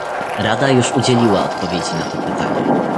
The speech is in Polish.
Rada już udzieliła odpowiedzi na to pytanie